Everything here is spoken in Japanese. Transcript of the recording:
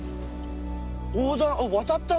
横断渡ったな。